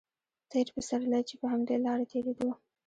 تېر پسرلی چې په همدې لاره تېرېدو.